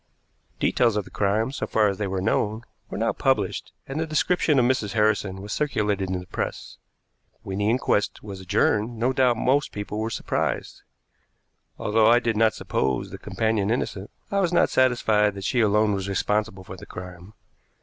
Details of the crime, so far as they were known, were now published, and the description of Mrs. Harrison was circulated in the press. When the inquest was adjourned, no doubt most people were surprised. Although I did not suppose the companion innocent, I was not satisfied that she alone was responsible for the crime.